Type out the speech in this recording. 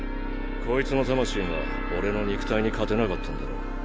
こいつの魂が俺の肉体に勝てなかったんだろ。